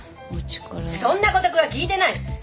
そんなご託は聞いてない！